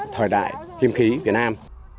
thời đại tiêm khí việt nam